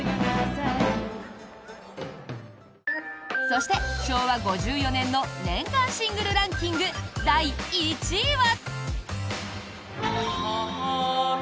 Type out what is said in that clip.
そして、昭和５４年の年間シングルランキング第１位は。